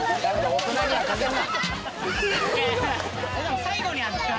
大人には掛けんな。